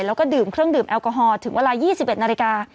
แล้วก็ดื่มเครื่องดื่มแอลกอฮอลถึงเวลา๒๑นาฬิกา